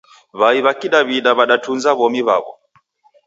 W'ai w'a kidaw'ida w'adatunza w'omi w'aw'o.